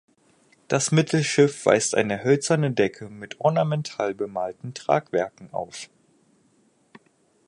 Das Mittelschiff weist eine hölzerne Decke mit ornamental bemalten Tragwerken auf.